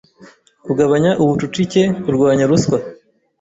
kugabanya ubucucike kurwanya ruswa